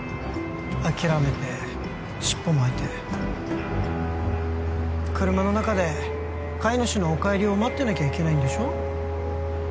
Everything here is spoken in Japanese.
諦めて尻尾巻いて車の中で飼い主のお帰りを待ってなきゃいけないんでしょ？